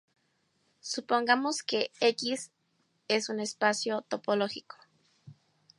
Supongamos que "X" es un espacio topológico.